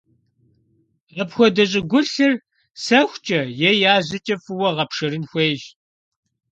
Апхуэдэ щӀыгулъыр сэхукӀэ е яжьэкӀэ фӀыуэ гъэпшэрын хуейщ.